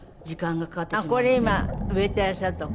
これ今植えてらっしゃるとこ？